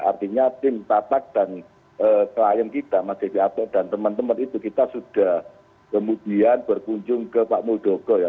artinya tim tatak dan klien kita mas devi ato dan teman teman itu kita sudah kemudian berkunjung ke pak muldoko ya